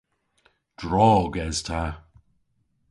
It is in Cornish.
Drog es ta.